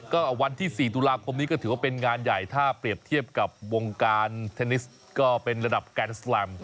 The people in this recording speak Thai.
ก็วันที่๔ตุลาคมนี้ก็ถือว่าเป็นงานใหญ่ถ้าเปรียบเทียบกับวงการเทนนิสก็เป็นระดับแกนสแลม